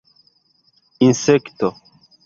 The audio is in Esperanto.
insekto